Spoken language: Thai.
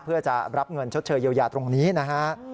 เพื่อจะรับเงินชดเชยเยียวยาตรงนี้นะฮะ